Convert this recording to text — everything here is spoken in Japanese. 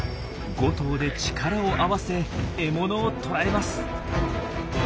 ５頭で力を合わせ獲物を捕らえます。